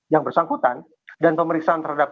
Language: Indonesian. yang bersangkutan dan pemeriksaan terhadap